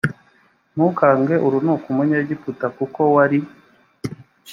ntukange urunuka umunyegiputa kuko wari